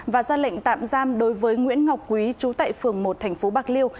và ra lệnh tạm giam đối với nguyễn ngọc quý chú tại phường một thành phố bạc liêu